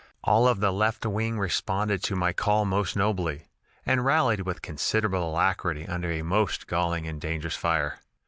"All of the left wing responded to my call most nobly, and rallied with considerable alacrity under a most galling and dangerous fire.